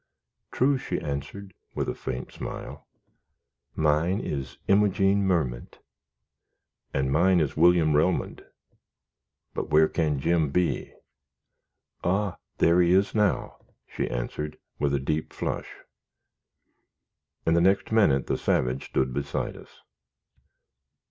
"True," she answered, with a faint smile. "Mine is Imogene Merment." "And mine is William Relmond; but where can Jim be?" "Ah! there he is now," she answered, with a deep flush; and the next minute the savage stood beside us.